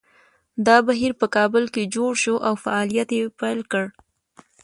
دا بهیر په کابل کې جوړ شو او فعالیت یې پیل کړ